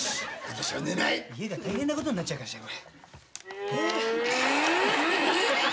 家が大変なことになっちゃうかしらこれ。